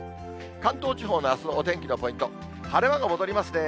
関東地方のあすのお天気のポイント、晴れ間が戻りますね。